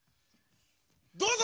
どうぞ！